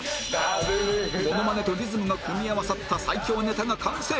モノマネとリズムが組み合わさった最強ネタが完成！